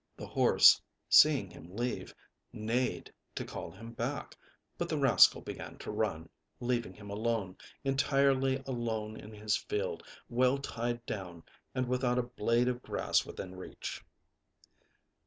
The horse, seeing him leave, neighed to call him back; but the rascal began to run, leaving him alone, entirely alone in his field, well tied down and without a blade of grass within reach.